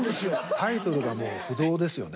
タイトルがもう不動ですよね。